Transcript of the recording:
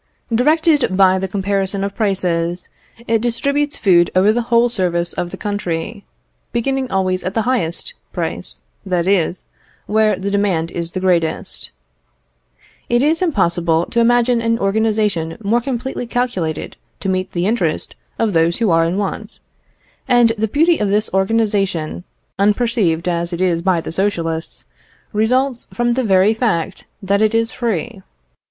Directed by the comparison of prices, it distributes food over the whole surface of the country, beginning always at the highest, price, that is, where the demand is the greatest. It is impossible to imagine an organisation more completely calculated to meet the interest of those who are in want; and the beauty of this organisation, unperceived as it is by the Socialists, results from the very fact that it is free.